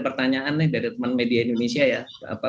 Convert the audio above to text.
pertanyaan nih dari teman media indonesia ya